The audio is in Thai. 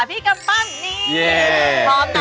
พี่กัมปั้มนี่